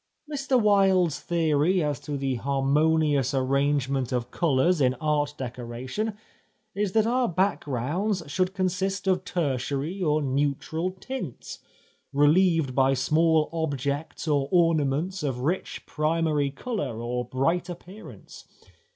Mr Wilde's theory as to the harmonious arrangement of colours in art decoration is that our backgrounds should consist of tertiary or neutral tints, reUeved by small objects or ornaments of rich primary colour or bright appearance.